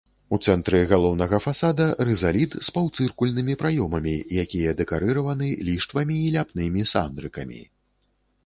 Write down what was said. У цэнтры галоўнага фасада рызаліт з паўцыркульнымі праёмамі, якія дэкарыраваны ліштвамі і ляпнымі сандрыкамі.